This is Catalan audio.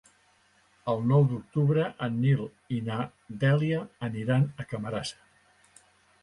El nou d'octubre en Nil i na Dèlia aniran a Camarasa.